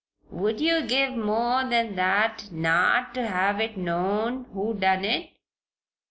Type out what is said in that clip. Would you give more than that not ter have it known who done it?"